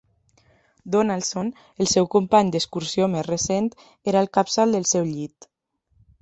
Donaldson, el seu company d'excursió més recent, era al capçal del seu llit.